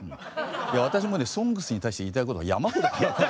いや私もね「ＳＯＮＧＳ」に対して言いたいことが山ほど。